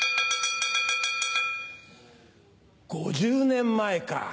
５０年前か。